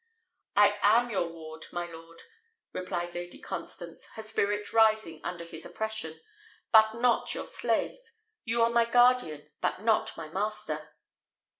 "I am your ward, my lord," replied Lady Constance, her spirit rising under his oppression, "but not your slave; you are my guardian, but not my master."